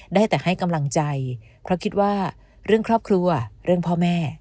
ได้แต่ให้กำลังใจเพราะคิดว่าเรื่องครอบครัวเรื่องพ่อแม่